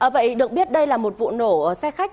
vậy được biết đây là một vụ nổ xe khách